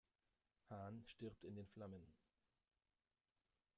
Han stirbt in den Flammen.